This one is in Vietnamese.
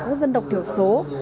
các dân độc thiểu số